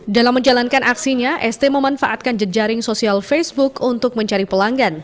dalam menjalankan aksinya st memanfaatkan jejaring sosial facebook untuk mencari pelanggan